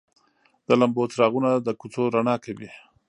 د لمبو څراغونه د کوڅو رڼا کوي.